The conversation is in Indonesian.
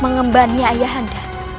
mengembaninya ayah ndang